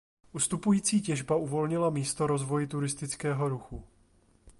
Ustupující těžba uvolnila místo rozvoji turistického ruchu.